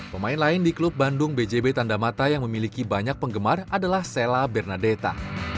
pemain lain di klub bandung bjb tandamata yang memiliki banyak penggemar adalah sella bernadeta